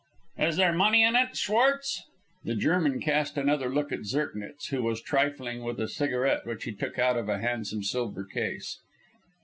"Is there money in it, Schwartz?" The German cast another look at Zirknitz, who was trifling with a cigarette which he took out of a handsome silver case.